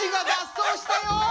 そうしたよ。